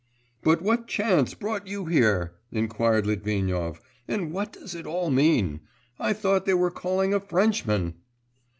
'But what chance brought you here?' inquired Litvinov, 'and what does it all mean? I thought they were calling a Frenchman....